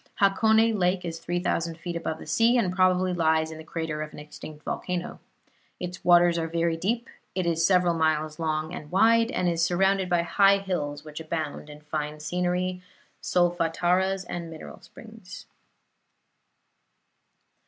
Hakone Lake is three thousand feet above the sea, and probably lies in the crater of an extinct volcano. Its waters are very deep; it is several miles long and wide, and is surrounded by high hills which abound in fine scenery, solfataras and mineral springs.